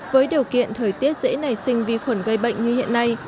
với điều kiện thời tiết dễ nảy sinh vi khuẩn gây bệnh như hiện nay